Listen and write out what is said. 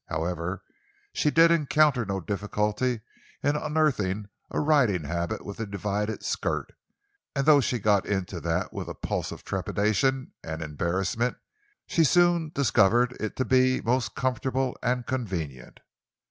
However, she did encounter no difficulty in unearthing a riding habit with a divided skirt, and though she got into that with a pulse of trepidation and embarrassment, she soon discovered it to be most comfortable and convenient.